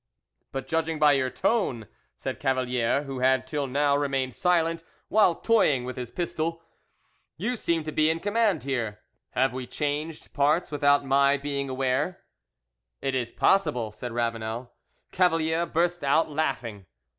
"But, judging by your tone," said Cavalier, who had till now remained silent while toying with his pistol, "you seem to be in command here; have we changed, parts without my being aware?" "It is possible," said Ravanel. Cavalier burst out laughing.